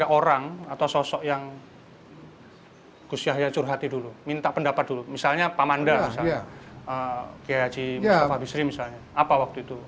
sebelum berangkat gus ada nggak orang atau sosok yang gus yahya curhati dulu minta pendapat dulu misalnya pak manda pak yaji mustafa bisri misalnya apa waktu itu